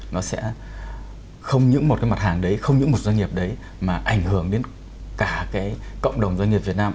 nó sẽ không những một cái mặt hàng đấy không những một doanh nghiệp đấy mà ảnh hưởng đến cả cái cộng đồng doanh nghiệp việt nam